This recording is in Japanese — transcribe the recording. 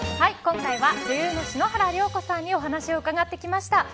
今回は女優の篠原涼子さんにお話を伺ってきました。